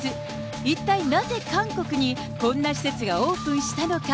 一体なぜ韓国にこんな施設がオープンしたのか。